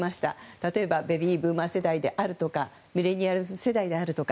例えばベビーブーマー世代であるとかミレニアル世代であるとか。